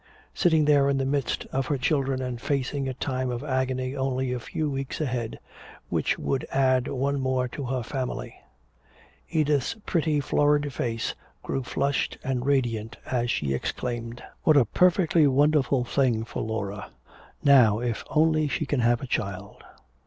Sitting there in the midst of her children and facing a time of agony only a few weeks ahead which would add one more to her family, Edith's pretty florid face grew flushed and radiant as she exclaimed, "What a perfectly wonderful thing for Laura! Now if only she can have a child!"